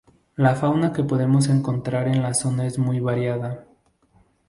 La fauna que podemos encontrar en la zona es muy variada.